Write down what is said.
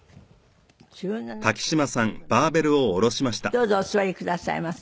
どうぞお座りくださいませ。